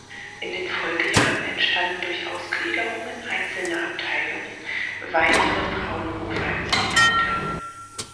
In den Folgejahren entstanden durch Ausgliederungen einzelner Abteilungen weitere Fraunhofer-Institute.